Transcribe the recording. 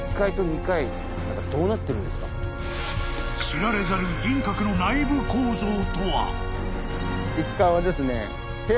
［知られざる銀閣の内部構造とは？］